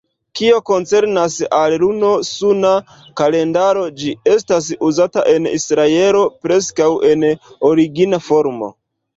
Kio koncernas al luno-suna kalendaro, ĝi estas uzata en Israelo preskaŭ en origina formo.